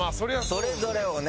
それぞれをね